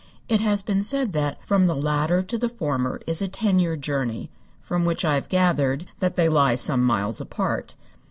It has been said that from the latter to the former is a ten year journey, from which I have gathered that they lie some miles apart.